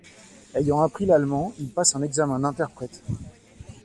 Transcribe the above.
Ayant appris l’allemand, il passe un examen d’interprète.